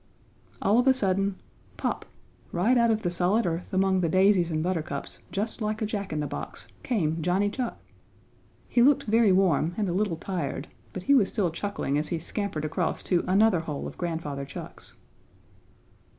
All of a sudden, pop! right out of the solid earth among the daisies and buttercups, just like a jack in the box, came Johnny Chuck! He looked very warm and a little tired, but he was still chuckling as he scampered across to another hole of Grandfather Chuck's.